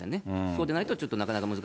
それでないとちょっとなかなか難